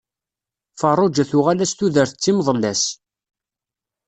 Ferruǧa tuɣal-as tudert d timḍellas.